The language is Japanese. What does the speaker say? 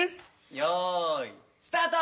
よいスタート！